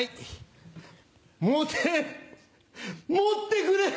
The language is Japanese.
持て持ってくれ。